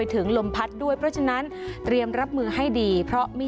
ถึงลมพัดด้วยเพราะฉะนั้นเตรียมรับมือให้ดีเพราะมี